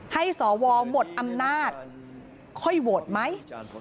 ให้สวหมดอำนาจค่อยโหวตไหม